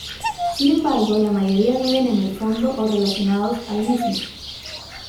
Sin embargo, la mayoría viven en el fondo o relacionados al mismo.